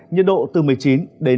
nhiệt độ từ một mươi chín hai mươi năm độ